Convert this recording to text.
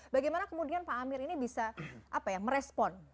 bagaimana kemudian pak amir ini bisa apa ya merespon